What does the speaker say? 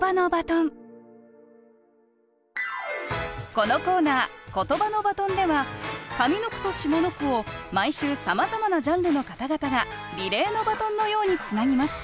このコーナー「ことばのバトン」では上の句と下の句を毎週さまざまなジャンルの方々がリレーのバトンのようにつなぎます。